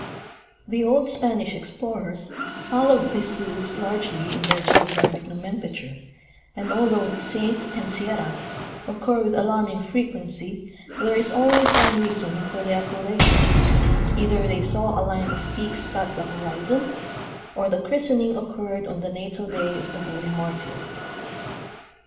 The old Spanish explorers followed these rules largely in their geographic nomenclature, and although "Saint" and "Sierra" occur with alarming frequency, there is always some reason for the appellation ; either they saw a line of peaks cut the horizon or the christening occurred on the natal day of the holy martyr.